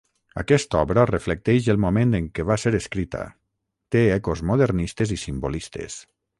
Aquesta obra reflecteix el moment en què va ser escrita, té ecos modernistes i simbolistes.